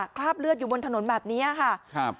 คราบเลือดอยู่บนถนนแบบนี้ค่ะครับ